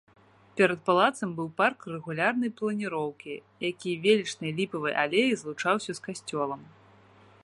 Перад палацам быў парк рэгулярнай планіроўкі, які велічнай ліпавай алеяй злучаўся з касцёлам.